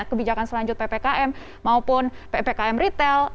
kebijakan selanjut ppkm maupun ppkm retail